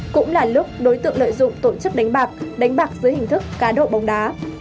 cũng là lúc đối tượng lợi dụng tổ chức đánh bạc đánh bạc dưới hình thức cá độ bóng đá